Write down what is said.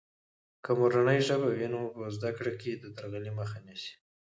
که مورنۍ ژبه وي، نو په زده کړه کې د درغلي مخه نیسي.